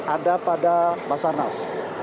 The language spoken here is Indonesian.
ada pada basarnas